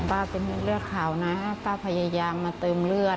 ป้าเป็นเลือดขาวนะป้าพยายามมาเติมเลือด